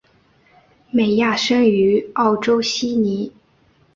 美亚生于澳洲悉尼。